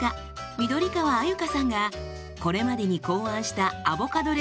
緑川鮎香さんがこれまでに考案したアボカドレシピ